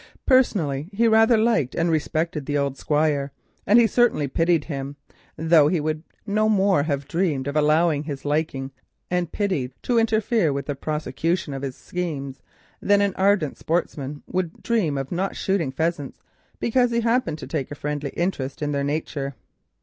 Personally he both liked and respected the old Squire, and he certainly pitied him, though he would no more have dreamed of allowing his liking and pity to interfere with the prosecution of his schemes, than an ardent sportsman would dream of not shooting pheasants because he had happened to take a friendly interest in their nurture.